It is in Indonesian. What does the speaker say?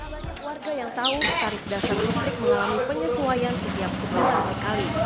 banyak warga yang tahu tarif dasar listrik mengalami penyesuaian setiap sekitar setiap kali